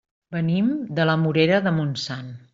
Venim de la Morera de Montsant.